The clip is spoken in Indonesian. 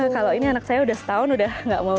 kalau ini anak saya udah setahun udah gak mau